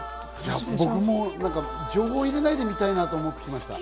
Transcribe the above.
僕、もう情報入れないで見たいなと思ってきました。